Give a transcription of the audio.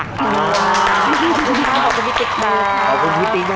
ขอบคุณพี่ติ๊กครับ